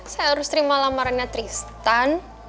saya harus terima lamarannya tristan